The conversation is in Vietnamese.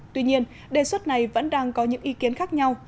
tuy nhiên đề xuất này vẫn đang có những ý kiến khác nhau